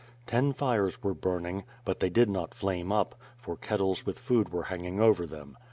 Ten fires were burning, but they did not flame up, for kettles with food were hanging over them.